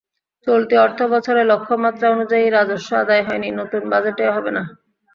চলতি অর্থবছরে লক্ষ্যমাত্রা অনুযায়ী রাজস্ব আদায় হয়নি, নতুন বাজেটেও হবে না।